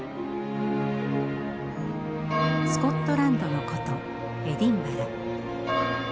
スコットランドの古都エディンバラ。